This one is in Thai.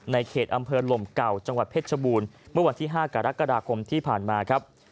ในเขตอำเภอลมเก่าจังหวัดเพชรชบูรณ์เมื่อวันที่๕กรกฎาคมที่ผ่านมาครับ